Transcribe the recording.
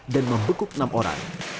dan membekuk enam orang